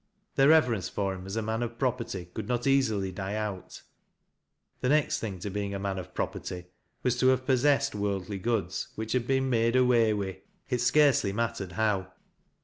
Their reverence for him as a man of property could not easily die out. The next thing to being a man of property, was to have possessed woi ldly gooda which 'had been "made away wi'," it scarcely mattered how.